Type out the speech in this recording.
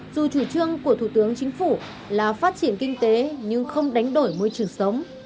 dù chủ trương của thủ tướng chính phủ là phát triển kinh tế nhưng không đánh đổi môi trường sống